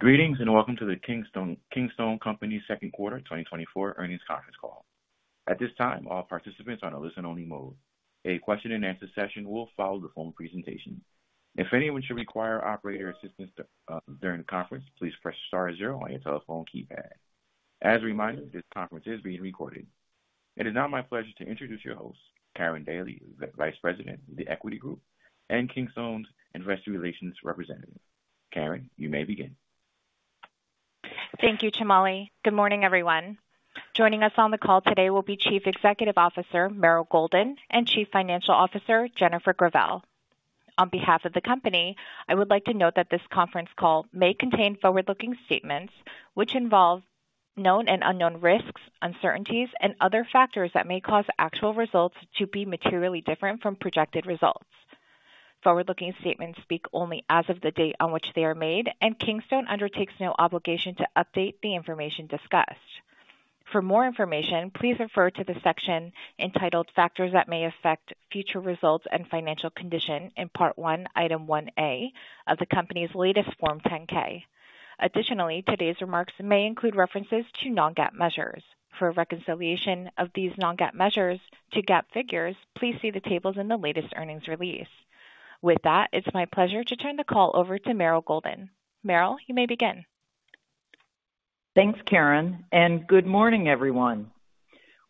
...Greetings, and welcome to the Kingstone Companies Second Quarter 2024 Earnings Conference Call. At this time, all participants are on a listen-only mode. A question-and-answer session will follow the phone presentation. If anyone should require operator assistance during the conference, please press star zero on your telephone keypad. As a reminder, this conference is being recorded. It is now my pleasure to introduce your host, Karin Daly, the Vice President of The Equity Group Inc. and Kingstone's Investor Relations representative. Karin, you may begin. Thank you, Chamalli. Good morning, everyone. Joining us on the call today will be Chief Executive Officer, Meryl Golden, and Chief Financial Officer, Jennifer Gravelle. On behalf of the company, I would like to note that this conference call may contain forward-looking statements which involve known and unknown risks, uncertainties, and other factors that may cause actual results to be materially different from projected results. Forward-looking statements speak only as of the date on which they are made, and Kingstone undertakes no obligation to update the information discussed. For more information, please refer to the section entitled Factors That May Affect Future Results and Financial Condition in Part I, Item 1A of the company's latest Form 10-K. Additionally, today's remarks may include references to non-GAAP measures. For a reconciliation of these non-GAAP measures to GAAP figures, please see the tables in the latest earnings release. With that, it's my pleasure to turn the call over to Meryl Golden. Meryl, you may begin. Thanks, Karin, and good morning, everyone.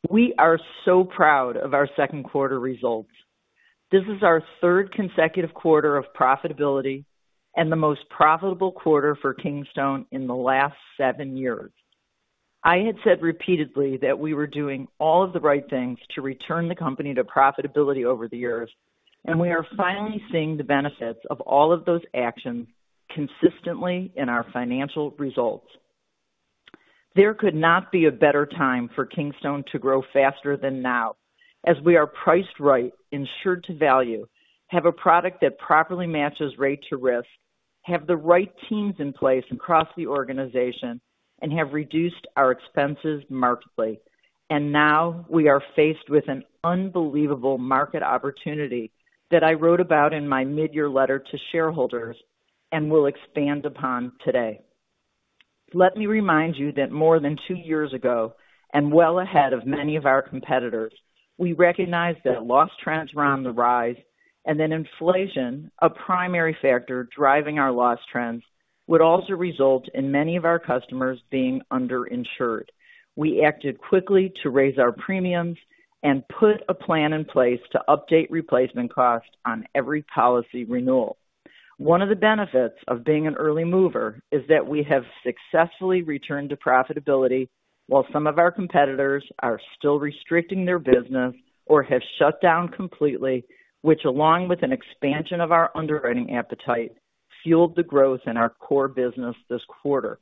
We are so proud of our second quarter results. This is our third consecutive quarter of profitability and the most profitable quarter for Kingstone in the last seven years. I had said repeatedly that we were doing all of the right things to return the company to profitability over the years, and we are finally seeing the benefits of all of those actions consistently in our financial results. There could not be a better time for Kingstone to grow faster than now, as we are priced right, insured to value, have a product that properly matches rate to risk, have the right teams in place across the organization, and have reduced our expenses markedly. And now we are faced with an unbelievable market opportunity that I wrote about in my mid-year letter to shareholders and will expand upon today. Let me remind you that more than two years ago, and well ahead of many of our competitors, we recognized that loss trends were on the rise and that inflation, a primary factor driving our loss trends, would also result in many of our customers being underinsured. We acted quickly to raise our premiums and put a plan in place to update replacement costs on every policy renewal. One of the benefits of being an early mover is that we have successfully returned to profitability, while some of our competitors are still restricting their business or have shut down completely, which, along with an expansion of our underwriting appetite, fueled the growth in our core business this quarter.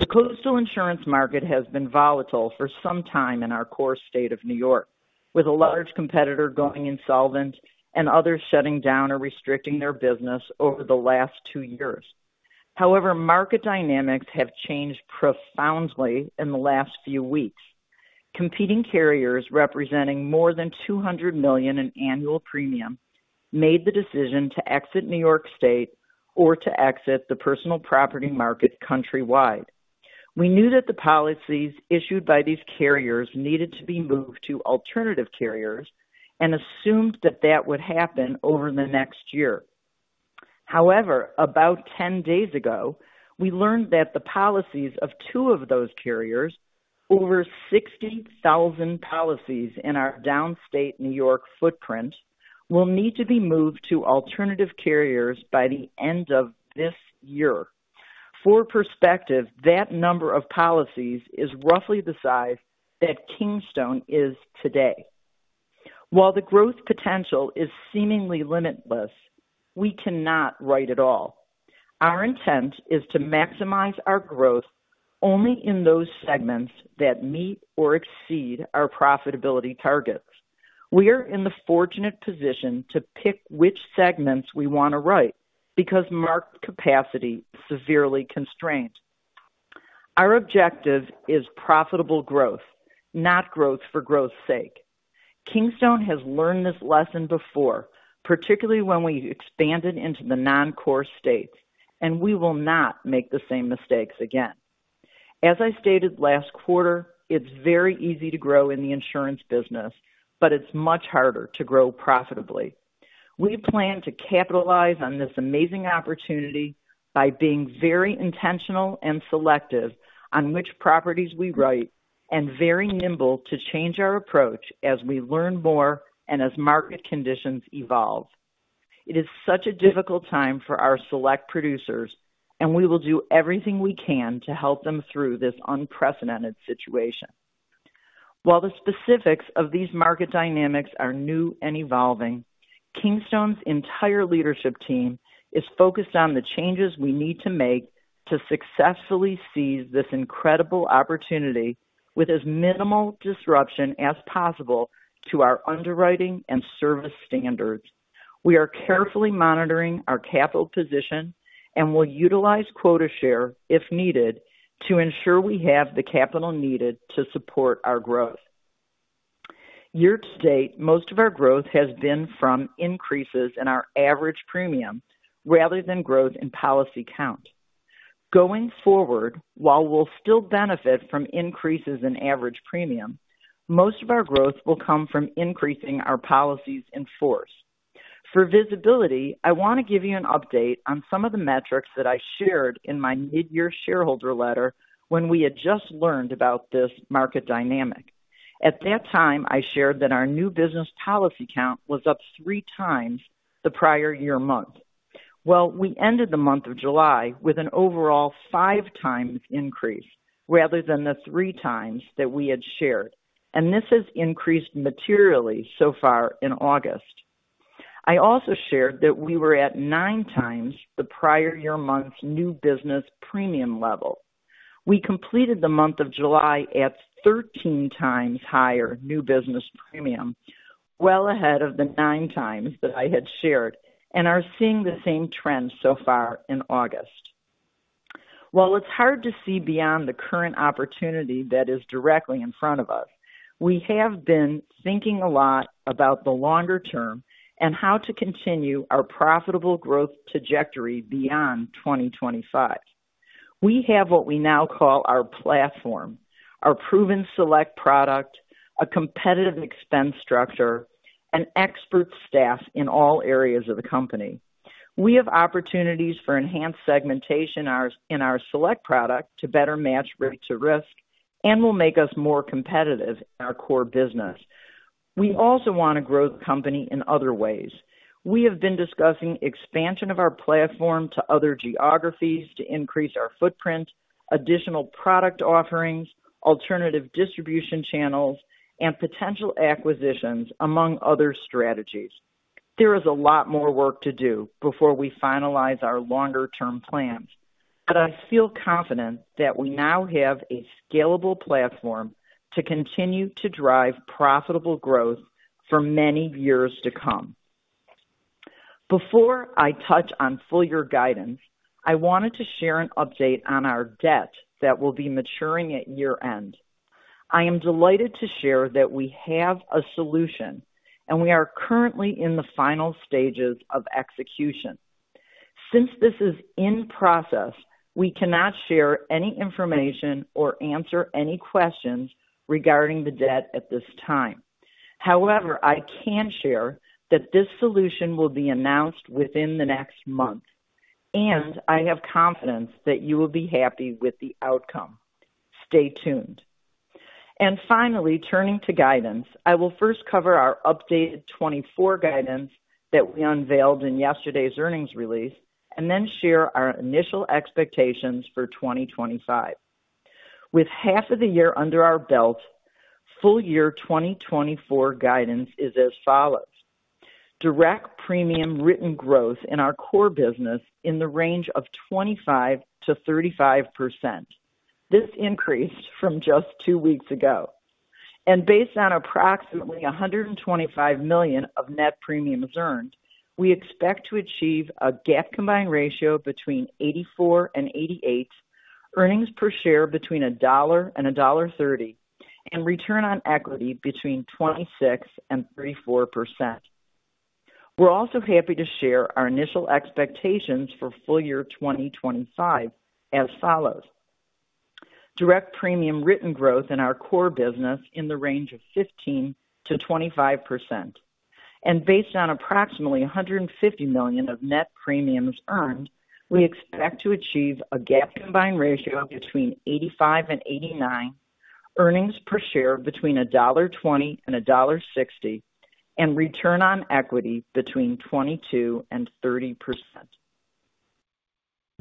The coastal insurance market has been volatile for some time in our core state of New York, with a large competitor going insolvent and others shutting down or restricting their business over the last two years. However, market dynamics have changed profoundly in the last few weeks. Competing carriers, representing more than $200 million in annual premium, made the decision to exit New York State or to exit the personal property market countrywide. We knew that the policies issued by these carriers needed to be moved to alternative carriers and assumed that that would happen over the next year. However, about 10 days ago, we learned that the policies of two of those carriers, over 60,000 policies in our Downstate New York footprint, will need to be moved to alternative carriers by the end of this year. For perspective, that number of policies is roughly the size that Kingstone is today. While the growth potential is seemingly limitless, we cannot write it all. Our intent is to maximize our growth only in those segments that meet or exceed our profitability targets. We are in the fortunate position to pick which segments we want to write, because market capacity is severely constrained. Our objective is profitable growth, not growth for growth's sake. Kingstone has learned this lesson before, particularly when we expanded into the non-core states, and we will not make the same mistakes again. As I stated last quarter, it's very easy to grow in the insurance business, but it's much harder to grow profitably. We plan to capitalize on this amazing opportunity by being very intentional and selective on which properties we write and very nimble to change our approach as we learn more and as market conditions evolve. It is such a difficult time for our select producers, and we will do everything we can to help them through this unprecedented situation. While the specifics of these market dynamics are new and evolving, Kingstone's entire leadership team is focused on the changes we need to make to successfully seize this incredible opportunity with as minimal disruption as possible to our underwriting and service standards. We are carefully monitoring our capital position and will utilize quota share if needed, to ensure we have the capital needed to support our growth. Year-to-date, most of our growth has been from increases in our average premium rather than growth in policy count. Going forward, while we'll still benefit from increases in average premium, most of our growth will come from increasing our policies in force. For visibility, I want to give you an update on some of the metrics that I shared in my mid-year shareholder letter when we had just learned about this market dynamic. At that time, I shared that our new business policy count was up 3 times the prior year month. Well, we ended the month of July with an overall 5 times increase rather than the 3 times that we had shared, and this has increased materially so far in August. I also shared that we were at 9 times the prior year month's new business premium level. We completed the month of July at 13 times higher new business premium, well ahead of the 9 times that I had shared, and are seeing the same trend so far in August. While it's hard to see beyond the current opportunity that is directly in front of us, we have been thinking a lot about the longer term and how to continue our profitable growth trajectory beyond 2025. We have what we now call our platform, our proven Select product, a competitive expense structure, and expert staff in all areas of the company. We have opportunities for enhanced segmentation in our Select product to better match rate to risk and will make us more competitive in our core business. We also want to grow the company in other ways. We have been discussing expansion of our platform to other geographies to increase our footprint, additional product offerings, alternative distribution channels, and potential acquisitions, among other strategies. There is a lot more work to do before we finalize our longer-term plans, but I feel confident that we now have a scalable platform to continue to drive profitable growth for many years to come. Before I touch on full year guidance, I wanted to share an update on our debt that will be maturing at year-end. I am delighted to share that we have a solution, and we are currently in the final stages of execution. Since this is in process, we cannot share any information or answer any questions regarding the debt at this time. However, I can share that this solution will be announced within the next month, and I have confidence that you will be happy with the outcome. Stay tuned. Finally, turning to guidance, I will first cover our updated 2024 guidance that we unveiled in yesterday's earnings release and then share our initial expectations for 2025. With half of the year under our belt, full year 2024 guidance is as follows: Direct Premium Written growth in our core business in the range of 25%-35%. This increased from just two weeks ago, and based on approximately $125 million of net premiums earned, we expect to achieve a GAAP combined ratio between 84 and 88, earnings per share between $1 and $1.30, and return on equity between 26% and 34%. We're also happy to share our initial expectations for full year 2025 as follows: Direct premium written growth in our core business in the range of 15%-25%. Based on approximately $150 million of net premiums earned, we expect to achieve a GAAP combined ratio between 85-89, earnings per share between $1.20-$1.60, and return on equity between 22%-30%.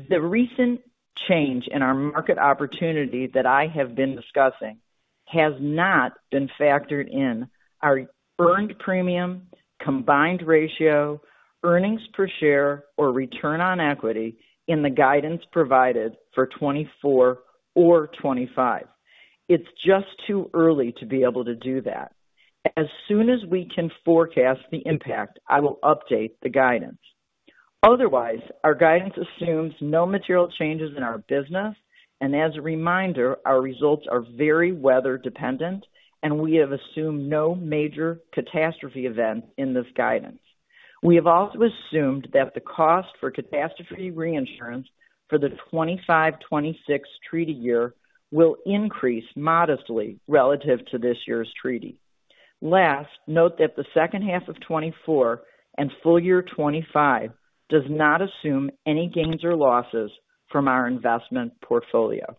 The recent change in our market opportunity that I have been discussing has not been factored in our earned premium, combined ratio, earnings per share, or return on equity in the guidance provided for 2024 or 2025. It's just too early to be able to do that. As soon as we can forecast the impact, I will update the guidance. Otherwise, our guidance assumes no material changes in our business, and as a reminder, our results are very weather dependent, and we have assumed no major catastrophe event in this guidance. We have also assumed that the cost for catastrophe reinsurance for the 25, 26 treaty year will increase modestly relative to this year's treaty. Last, note that the second half of 2024 and full year 2025 does not assume any gains or losses from our investment portfolio.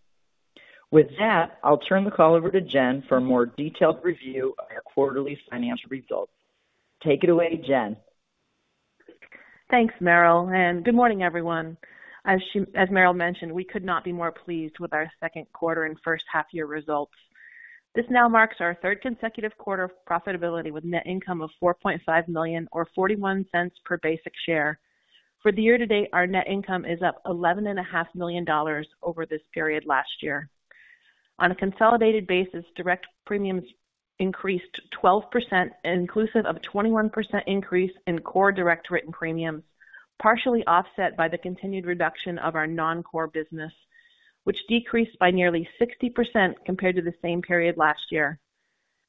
With that, I'll turn the call over to Jen for a more detailed review of our quarterly financial results. Take it away, Jen. Thanks, Meryl, and good morning, everyone. As Meryl mentioned, we could not be more pleased with our second quarter and first half year results. This now marks our third consecutive quarter of profitability, with net income of $4.5 million, or $0.41 per basic share. For the year to date, our net income is up $11.5 million over this period last year. On a consolidated basis, direct premiums increased 12%, inclusive of a 21% increase in core direct written premiums, partially offset by the continued reduction of our non-core business... which decreased by nearly 60% compared to the same period last year.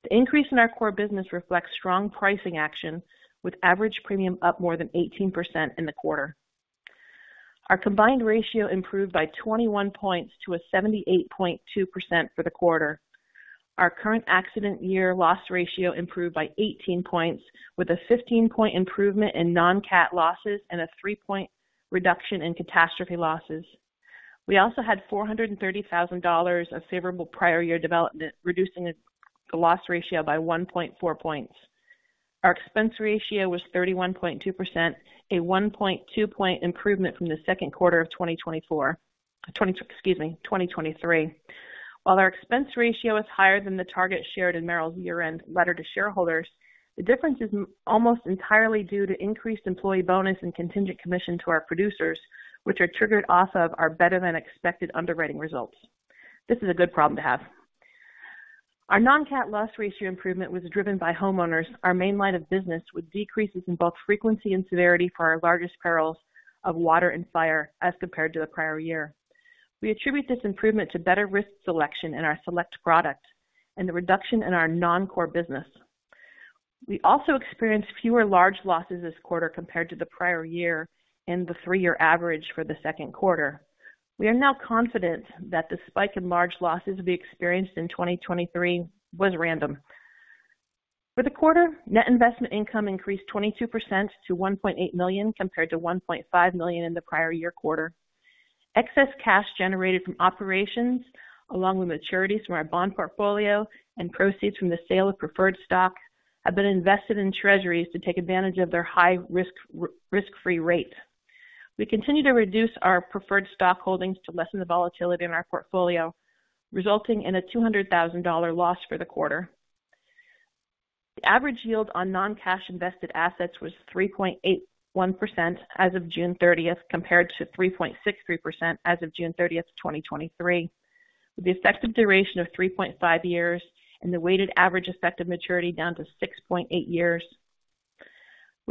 The increase in our core business reflects strong pricing action, with average premium up more than 18% in the quarter. Our combined ratio improved by 21 points to a 78.2% for the quarter. Our current accident year loss ratio improved by 18 points, with a 15-point improvement in non-cat losses and a 3-point reduction in catastrophe losses. We also had $430,000 of favorable prior year development, reducing the loss ratio by 1.4 points. Our expense ratio was 31.2%, a 1.2-point improvement from the second quarter of 2024, excuse me, 2023. While our expense ratio is higher than the target shared in Meryl's year-end letter to shareholders, the difference is almost entirely due to increased employee bonus and contingent commission to our producers, which are triggered off of our better-than-expected underwriting results. This is a good problem to have. Our non-cat loss ratio improvement was driven by homeowners, our main line of business, with decreases in both frequency and severity for our largest perils of water and fire as compared to the prior year. We attribute this improvement to better risk selection in our Select product and the reduction in our non-core business. We also experienced fewer large losses this quarter compared to the prior year and the 3-year average for the second quarter. We are now confident that the spike in large losses we experienced in 2023 was random. For the quarter, net investment income increased 22% to $1.8 million, compared to $1.5 million in the prior year quarter. Excess cash generated from operations, along with maturities from our bond portfolio and proceeds from the sale of preferred stock, have been invested in treasuries to take advantage of their high, risk-free rate. We continue to reduce our preferred stock holdings to lessen the volatility in our portfolio, resulting in a $200,000 loss for the quarter. The average yield on non-cash invested assets was 3.81% as of June 30, compared to 3.63% as of June 30, 2023, with the effective duration of 3.5 years and the weighted average effective maturity down to 6.8 years.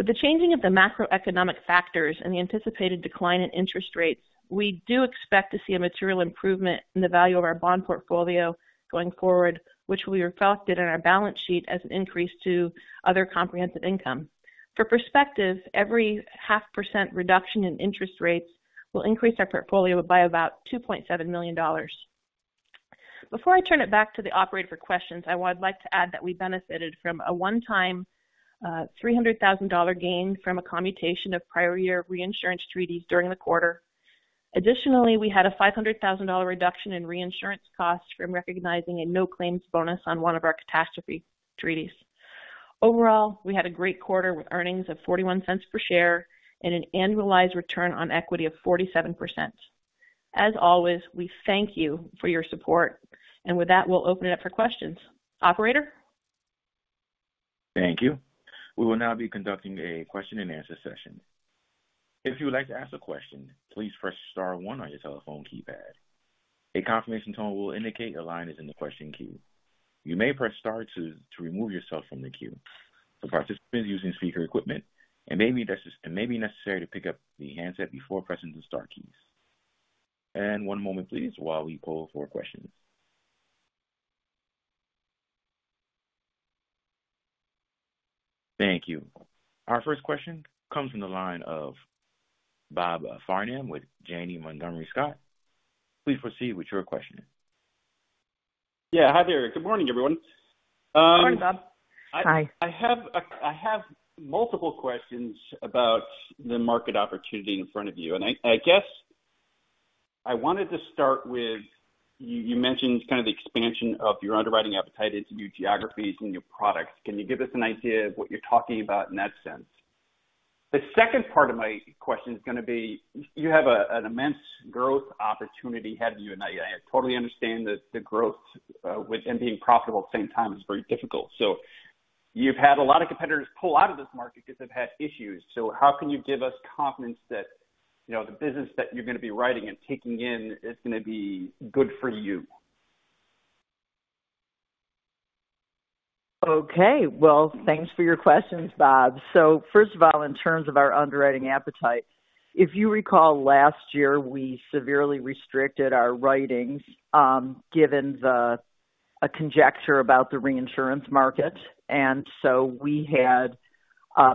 With the changing of the macroeconomic factors and the anticipated decline in interest rates, we do expect to see a material improvement in the value of our bond portfolio going forward, which we reflected on our balance sheet as an increase to other comprehensive income. For perspective, every 0.5% reduction in interest rates will increase our portfolio by about $2.7 million. Before I turn it back to the operator for questions, I would like to add that we benefited from a one-time, three hundred thousand dollar gain from a commutation of prior year reinsurance treaties during the quarter. Additionally, we had a five hundred thousand dollar reduction in reinsurance costs from recognizing a no claims bonus on one of our catastrophe treaties. Overall, we had a great quarter, with earnings of $0.41 per share and an annualized return on equity of 47%. As always, we thank you for your support, and with that, we'll open it up for questions. Operator? Thank you. We will now be conducting a question-and-answer session. If you would like to ask a question, please press star one on your telephone keypad. A confirmation tone will indicate your line is in the question queue. You may press star to remove yourself from the queue. For participants using speaker equipment, it may be necessary to pick up the handset before pressing the star keys. One moment please, while we poll for questions. Thank you. Our first question comes from the line of Robert Farnam with Janney Montgomery Scott. Please proceed with your question. Yeah, hi there. Good morning, everyone, Good morning, Bob. Hi. I have multiple questions about the market opportunity in front of you, and I guess I wanted to start with, you mentioned kind of the expansion of your underwriting appetite into new geographies and your products. Can you give us an idea of what you're talking about in that sense? The second part of my question is going to be, you have an immense growth opportunity ahead of you, and I totally understand that the growth with and being profitable at the same time is very difficult. So you've had a lot of competitors pull out of this market because they've had issues. So how can you give us confidence that, you know, the business that you're going to be writing and taking in is going to be good for you? Okay, well, thanks for your questions, Bob. So first of all, in terms of our underwriting appetite, if you recall, last year, we severely restricted our writings, given a conjecture about the reinsurance market. And so we had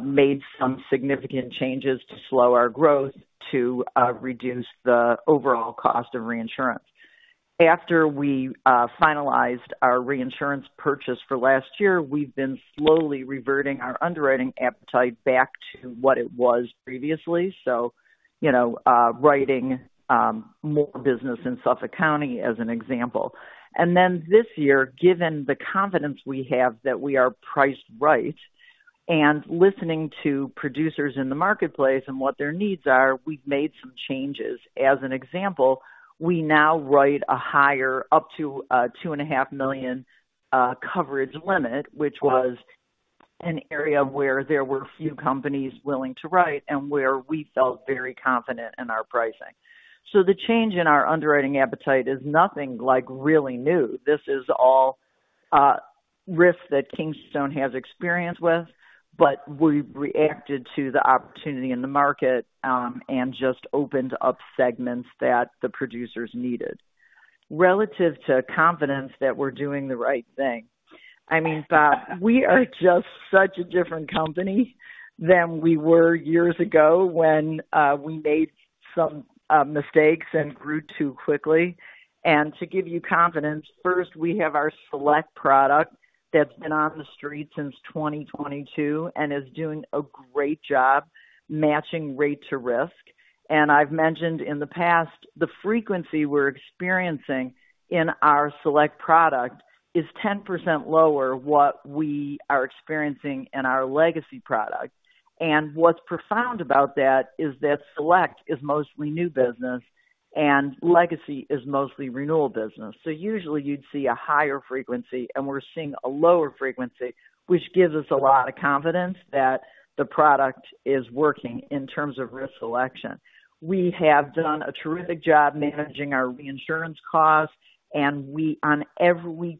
made some significant changes to slow our growth to reduce the overall cost of reinsurance. After we finalized our reinsurance purchase for last year, we've been slowly reverting our underwriting appetite back to what it was previously. So, you know, writing more business in Suffolk County as an example. And then this year, given the confidence we have that we are priced right and listening to producers in the marketplace and what their needs are, we've made some changes. As an example, we now write a higher, up to $2.5 million coverage limit, which was an area where there were few companies willing to write and where we felt very confident in our pricing. So the change in our underwriting appetite is nothing like really new. This is all,... risk that Kingstone has experience with, but we've reacted to the opportunity in the market, and just opened up segments that the producers needed. Relative to confidence that we're doing the right thing, I mean, Bob, we are just such a different company than we were years ago when, we made some, mistakes and grew too quickly. And to give you confidence, first, we have our Select product that's been on the street since 2022 and is doing a great job matching rate to risk. And I've mentioned in the past, the frequency we're experiencing in our Select product is 10% lower what we are experiencing in our Legacy product. And what's profound about that is that Select is mostly new business and Legacy is mostly renewal business. So usually you'd see a higher frequency, and we're seeing a lower frequency, which gives us a lot of confidence that the product is working in terms of risk selection. We have done a terrific job managing our reinsurance costs, and we, on every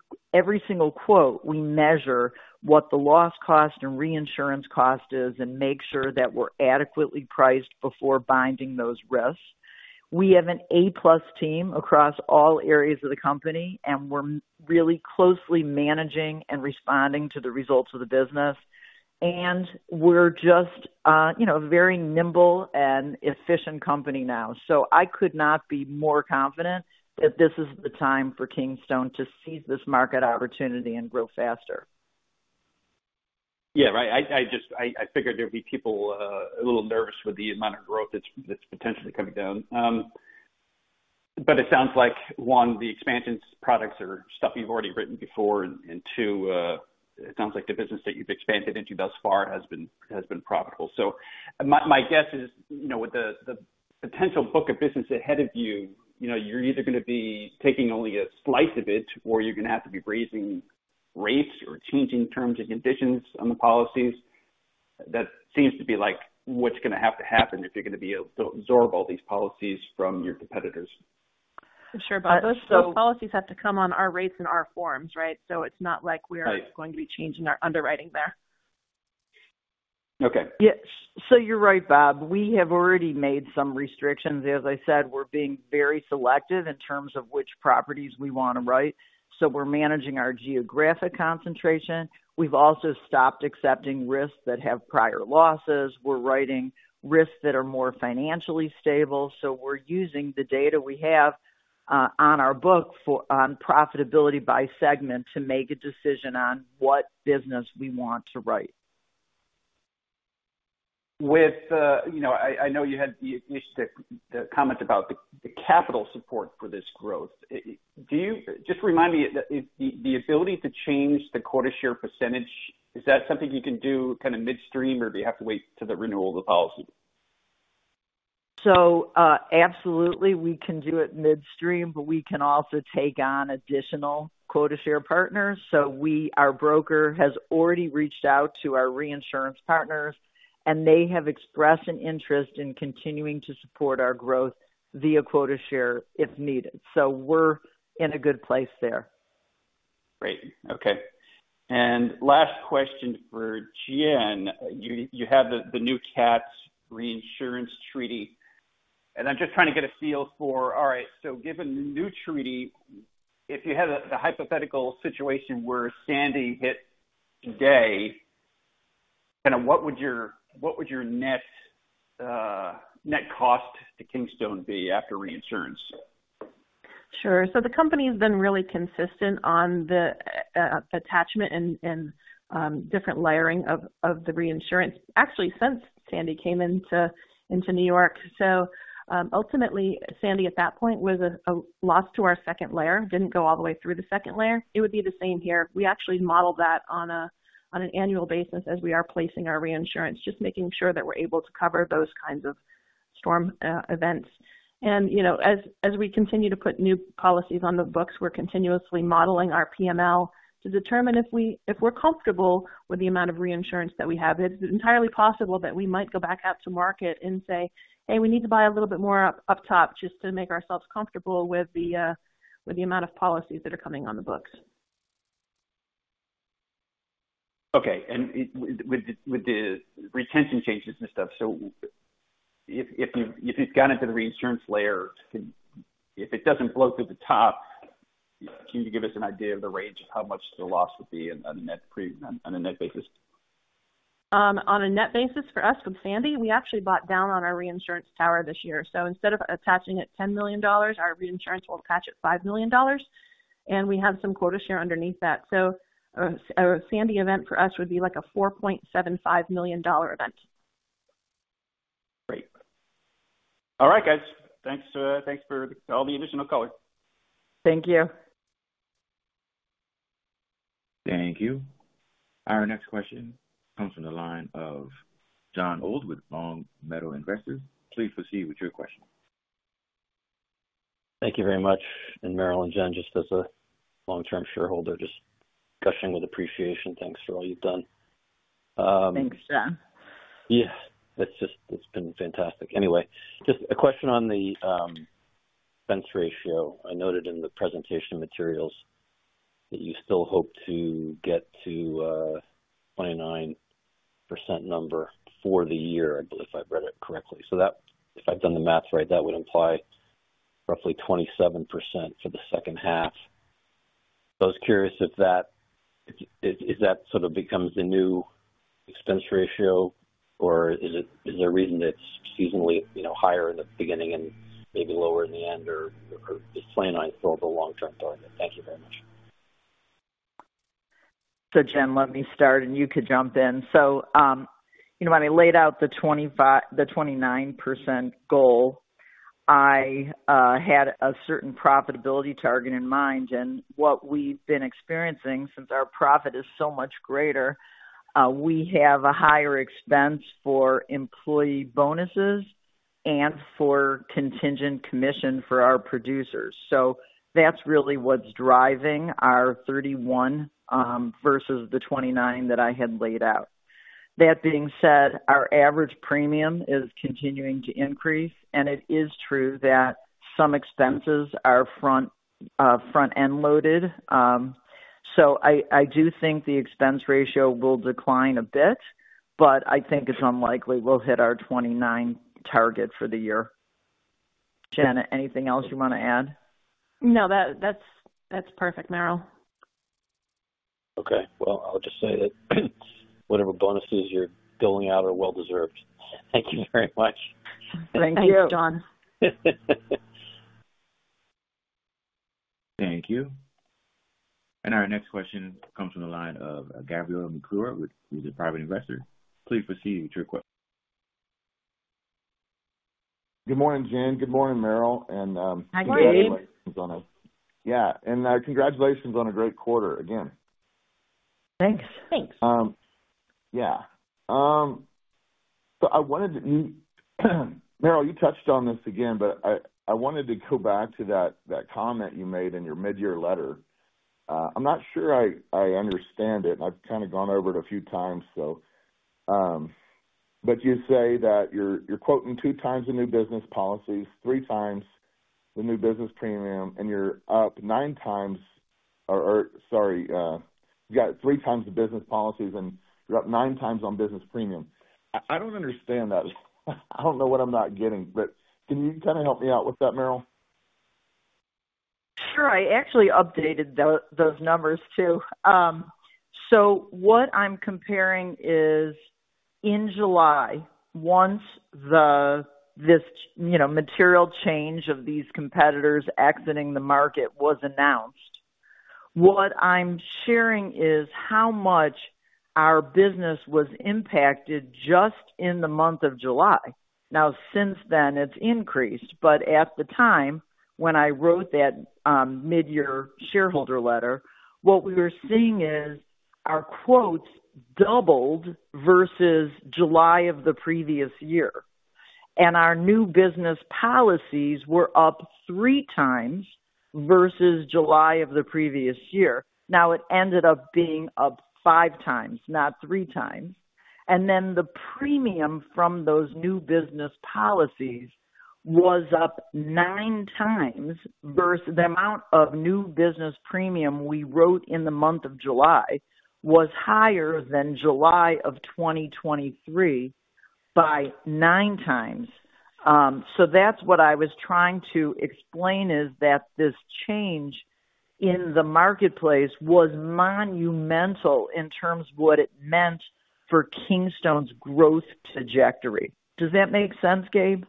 single quote, we measure what the loss cost and reinsurance cost is and make sure that we're adequately priced before binding those risks. We have an A-plus team across all areas of the company, and we're really closely managing and responding to the results of the business. And we're just, you know, very nimble and efficient company now. So I could not be more confident that this is the time for Kingstone to seize this market opportunity and grow faster. Yeah, right. I just figured there'd be people a little nervous with the amount of growth that's potentially coming down. But it sounds like, one, the expansions products are stuff you've already written before, and two, it sounds like the business that you've expanded into thus far has been profitable. So my guess is, you know, with the potential book of business ahead of you, you know, you're either going to be taking only a slice of it, or you're going to have to be raising rates or changing terms and conditions on the policies. That seems to be like what's going to have to happen if you're going to be able to absorb all these policies from your competitors. Sure, Bob. Those policies have to come on our rates and our forms, right? So it's not like we're- Right. going to be changing our underwriting there. Okay. Yes. So you're right, Bob. We have already made some restrictions. As I said, we're being very selective in terms of which properties we want to write, so we're managing our geographic concentration. We've also stopped accepting risks that have prior losses. We're writing risks that are more financially stable. So we're using the data we have, on our book for, on profitability by segment to make a decision on what business we want to write. With, you know, I know you had the initiative, the comment about the capital support for this growth. Do you just remind me, the ability to change the quota share percentage, is that something you can do kind of midstream, or do you have to wait till the renewal of the policy? So, absolutely, we can do it midstream, but we can also take on additional quota share partners. So we, our broker, has already reached out to our reinsurance partners, and they have expressed an interest in continuing to support our growth via quota share if needed. So we're in a good place there. Great. Okay. And last question for Jen. You have the new cat reinsurance treaty, and I'm just trying to get a feel for... All right, so given the new treaty, if you had the hypothetical situation where Sandy hit today, kind of what would your net cost to Kingstone be after reinsurance? Sure. So the company's been really consistent on the attachment and different layering of the reinsurance, actually, since Sandy came into New York. So ultimately, Sandy at that point, was a loss to our second layer, didn't go all the way through the second layer. It would be the same here. We actually model that on an annual basis as we are placing our reinsurance, just making sure that we're able to cover those kinds of storm events. And you know, as we continue to put new policies on the books, we're continuously modeling our PML to determine if we're comfortable with the amount of reinsurance that we have. It's entirely possible that we might go back out to market and say, "Hey, we need to buy a little bit more up top just to make ourselves comfortable with the amount of policies that are coming on the books. Okay. And with the retention changes and stuff, so if it's gone into the reinsurance layer, if it doesn't blow through the top, can you give us an idea of the range of how much the loss would be on a net basis? On a net basis for us with Sandy, we actually bought down on our reinsurance tower this year. So instead of attaching at $10 million, our reinsurance will attach at $5 million, and we have some quota share underneath that. So a Sandy event for us would be like a $4.75 million event. Great. All right, guys. Thanks, thanks for all the additional color. Thank you. Thank you. Our next question comes from the line of John Old with Long Meadow Investors. Please proceed with your question. Thank you very much. And Meryl, Jen, just as a long-term shareholder, just gushing with appreciation. Thanks for all you've done. Thanks, John. Yeah, it's just, it's been fantastic. Anyway, just a question on the expense ratio. I noted in the presentation materials that you still hope to get to 29% number for the year, if I read it correctly. So that, if I've done the math right, that would imply roughly 27% for the second half. So I was curious if that sort of becomes the new expense ratio, or is it, is there a reason it's seasonally, you know, higher in the beginning and maybe lower in the end, or just planning on for the long term target? Thank you very much. So, Jen, let me start, and you could jump in. So, you know, when I laid out the twenty-five- the 29% goal, I had a certain profitability target in mind, and what we've been experiencing, since our profit is so much greater, we have a higher expense for employee bonuses and for contingent commission for our producers. So that's really what's driving our 31% versus the 29% that I had laid out. That being said, our average premium is continuing to increase, and it is true that some expenses are front front-end loaded. So I do think the expense ratio will decline a bit, but I think it's unlikely we'll hit our 29% target for the year. Jen, anything else you want to add? No, that's perfect, Meryl. Okay, well, I'll just say that whatever bonuses you're doling out are well deserved. Thank you very much. Thank you. Thanks, John. Thank you. Our next question comes from the line of Gabriel McClure, with the private investor. Please proceed with your question. Good morning, Jen. Good morning, Meryl, and- Hi, Gabe. Yeah, and congratulations on a great quarter again. Thanks. Thanks. Yeah. So I wanted to... Meryl, you touched on this again, but I wanted to go back to that comment you made in your mid-year letter. I'm not sure I understand it, and I've kind of gone over it a few times, so. But you say that you're quoting 2 times the new business policies, 3 times the new business premium, and you're up 9 times, or, sorry, you got 3 times the business policies, and you're up 9 times on business premium. I don't understand that. I don't know what I'm not getting, but can you kind of help me out with that, Meryl? Sure. I actually updated those numbers, too. So what I'm comparing is in July, once this, you know, material change of these competitors exiting the market was announced, what I'm sharing is how much our business was impacted just in the month of July. Now, since then, it's increased, but at the time, when I wrote that, mid-year shareholder letter, what we were seeing is our quotes doubled versus July of the previous year, and our new business policies were up 3 times versus July of the previous year. Now, it ended up being up 5 times, not 3 times. And then the premium from those new business policies was up 9 times. The amount of new business premium we wrote in the month of July was higher than July of 2023 by 9 times. So, that's what I was trying to explain, is that this change in the marketplace was monumental in terms of what it meant for Kingstone's growth trajectory. Does that make sense, Gabe?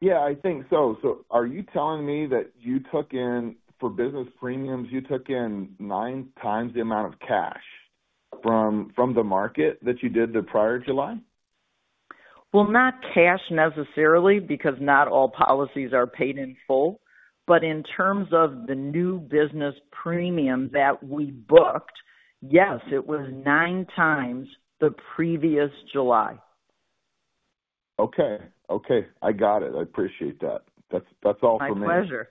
Yeah, I think so. So are you telling me that you took in, for business premiums, you took in 9 times the amount of cash from the market that you did the prior July? Well, not cash necessarily, because not all policies are paid in full. But in terms of the new business premium that we booked, yes, it was 9 times the previous July. Okay. Okay, I got it. I appreciate that. That's, that's all for me. My pleasure.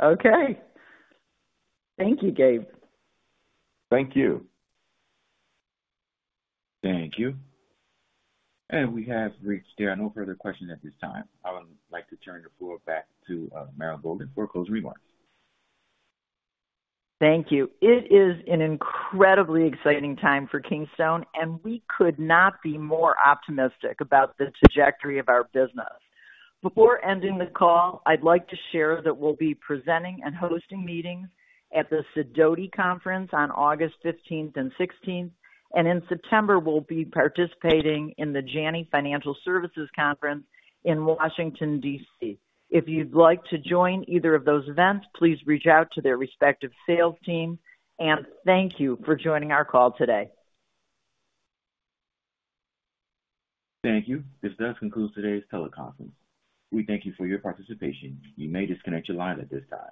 Okay. Thank you, Gabe. Thank you. Thank you. And we have reached... There are no further questions at this time. I would like to turn the floor back to, Meryl Golden for closing remarks. Thank you. It is an incredibly exciting time for Kingstone, and we could not be more optimistic about the trajectory of our business. Before ending the call, I'd like to share that we'll be presenting and hosting meetings at the Sidoti conference on August fifteenth and sixteenth, and in September, we'll be participating in the Janney Financial Services Conference in Washington, D.C. If you'd like to join either of those events, please reach out to their respective sales team, and thank you for joining our call today. Thank you. This does conclude today's teleconference. We thank you for your participation. You may disconnect your line at this time.